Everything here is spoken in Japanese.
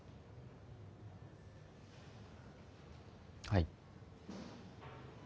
はい。